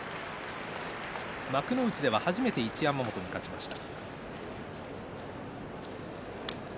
幕内では初めて一山本に勝ちました。